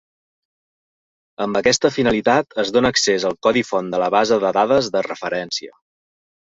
Amb aquesta finalitat, es dona accés al codi font de la base de dades de referència.